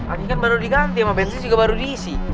agih kan baru diganti sama bensin juga baru diisi